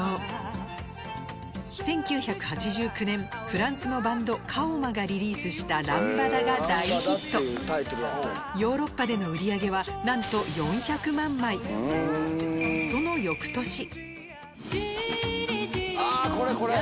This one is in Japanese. フランスのバンド Ｋａｏｍａ がリリースしたヨーロッパでの売り上げはなんとその翌年